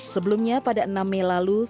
sebelumnya pada enam mei lalu